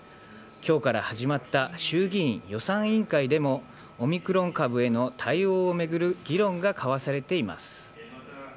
きょうから始まった衆議院予算委員会でも、オミクロン株への対応を巡る議論が交わされています。